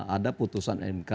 ada putusan mk